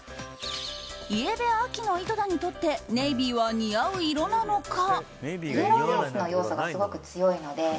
イエベ秋の井戸田にとってネイビーは似合う色なのか？